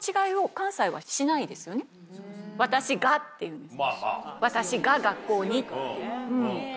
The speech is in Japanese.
「私が」って言うんです。